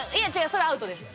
それアウトです。